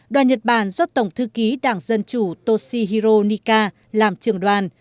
đoàn nhật bản do tổng thư ký đảng dân chủ toshihiro nika làm trường đoàn